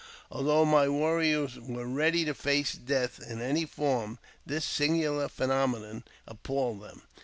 Although my warriors were • ready to face death in any form, this singular phenomenon I appalled them.